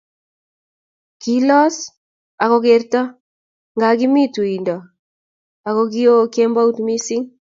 Kilos akokerto ngakimi tuindo akokio kembout missing